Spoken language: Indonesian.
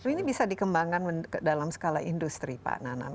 ini bisa dikembangkan dalam skala industri pak nanan